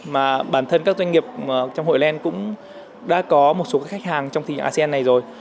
mà bản thân các doanh nghiệp trong hội len cũng đã có một số khách hàng trong thị trường asean này rồi